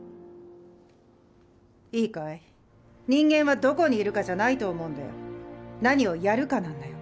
いいかい人間はどこにいるかじゃないと思うんだよ何をやるかなんだよ